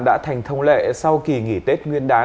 đã thành thông lệ sau kỳ nghỉ tết nguyên đán